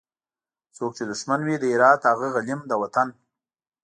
څوک چي دښمن وي د هرات هغه غلیم د وطن